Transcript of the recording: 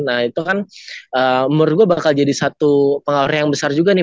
nah itu kan menurut gue bakal jadi satu pengaruh yang besar juga nih